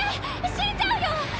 死んじゃうよ！